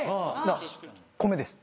米です。